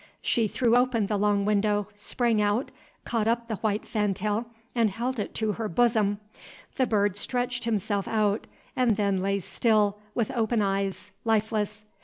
She threw open the long window, sprang out, caught up the white fantail, and held it to her bosom. The bird stretched himself out, and then lay still, with open eyes, lifeless.